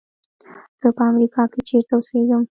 زه په امریکا کې چېرته اوسېږم.